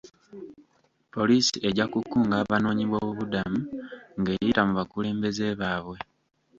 Poliisi ejja kukunga abanoonyi boobubudamu ng'eyita mu bakulembeze baabwe.